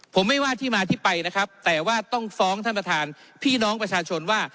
ผมไม่ว่าที่มาที่ไปนะครับแต่ว่าต้องฟ้องท่านประธานพี่น้องประชาชนว่า